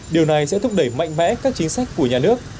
điều này sẽ thúc đẩy mạnh mẽ các chính sách của nhà nước